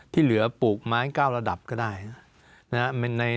ที่เหลือปลูกไม้๙ระดับก็ได้นะครับ